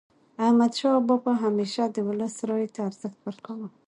احمدشاه بابا به همیشه د ولس رایې ته ارزښت ورکاوه.